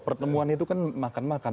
pertemuan itu kan makan makan